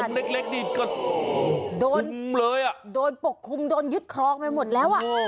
ตรงเล็กนี่ก็โอ้โฮโดนปกคุมโดนยึดคล้องไปหมดแล้ว